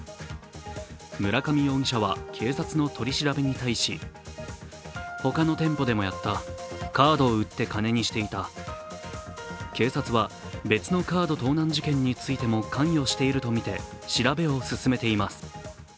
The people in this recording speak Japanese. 村上容疑者は警察の取り調べに対し警察は別のカード盗難事件についても関与しているとみて調べを進めています。